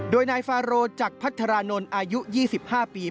โดยนายฟาโรจักรพัฒรานนท์อายุ๒๕ปี